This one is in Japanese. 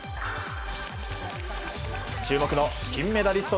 注目の金メダリスト